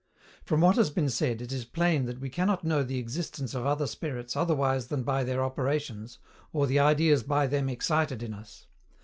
From what has been said, it is plain that we cannot know the existence of other spirits otherwise than by their operations, or the ideas by them excited in us.